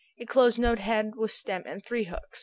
A closed note head with stem and three hooks.